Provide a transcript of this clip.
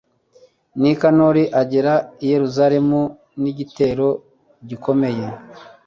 nikanori agera i yeruzalemu n'igitero gikomeye